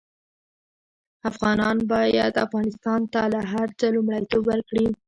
افغانان باید افغانستان ته له هر څه لومړيتوب ورکړي